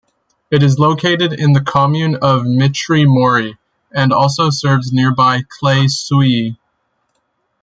It is located in the commune of Mitry-Mory, and also serves nearby Claye-Souilly.